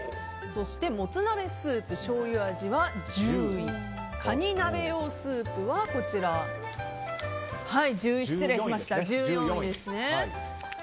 そしてもつ鍋スープ醤油味は１０位かに鍋用スープは１４位ですね。